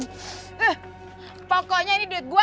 eh pokoknya ini duit gua